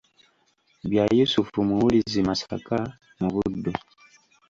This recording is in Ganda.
Bya Yusuf Muwuluzi Masaka mu Buddu